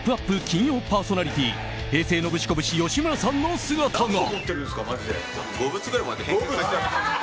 金曜パーソナリティー平成ノブシコブシ吉村さんの姿が。